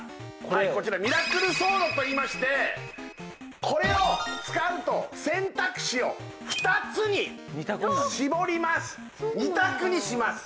こちらミラクルソードといいましてこれを使うと選択肢を２つに絞ります２択にします